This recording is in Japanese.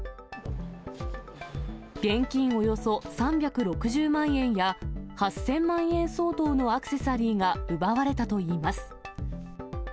現金およそ３６０万円や８０００万円相当のアクセサリーが奪われたといいます。